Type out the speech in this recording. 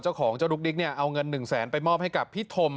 เจ้าของเจ้าดุ๊กดิ๊กเนี่ยเอาเงิน๑แสนไปมอบให้กับพี่ธม